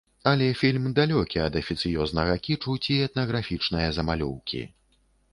Але фільм далёкі ад афіцыёзнага кічу ці этнаграфічнае замалёўкі.